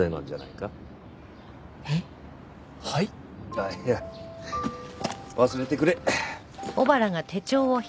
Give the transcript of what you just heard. あっいや忘れてくれ。